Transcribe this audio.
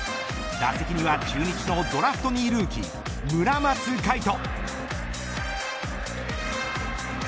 打席には中日のドラフト２位ルーキー村松開人。